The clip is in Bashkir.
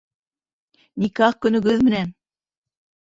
Никах көнөгөҙ менән!